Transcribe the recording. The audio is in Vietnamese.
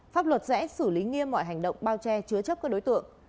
pháp luật sẽ xử lý nghiêm mọi hành động bao che chứa chấp các đối tượng